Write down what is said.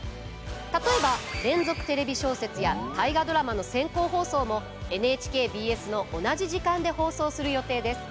例えば「連続テレビ小説」や「大河ドラマ」の先行放送もＮＨＫＢＳの同じ時間で放送する予定です。